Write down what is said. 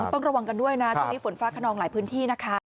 ต้องระวังกันด้วยนะช่วงนี้ฝนฟ้าขนองหลายพื้นที่นะคะ